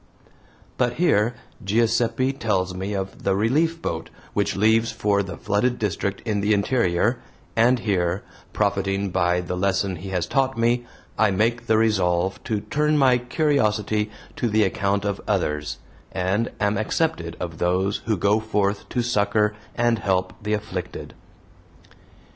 But here Giuseppe tells me of the "Relief Boat" which leaves for the flooded district in the interior, and here, profiting by the lesson he has taught me, I make the resolve to turn my curiosity to the account of others, and am accepted of those who go forth to succor and help the afflicted.